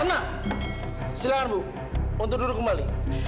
tenang tenang tenang silahkan bu untuk duduk kembali